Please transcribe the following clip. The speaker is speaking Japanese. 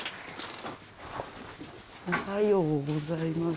おはようございます。